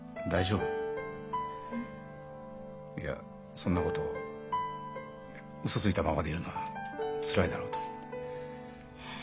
いやそんなことをウソついたままでいるのはつらいだろうと。